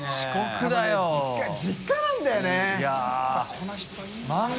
この人いいな。